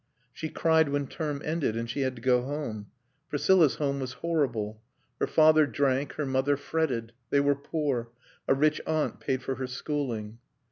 She cried when term ended and she had to go home. Priscilla's home was horrible. Her father drank, her mother fretted; they were poor; a rich aunt paid for her schooling.